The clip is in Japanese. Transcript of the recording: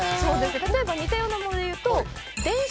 例えば似たようなものでいうと。